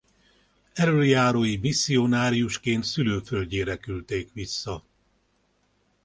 Elöljárói misszionáriusként szülőföldjére küldték vissza.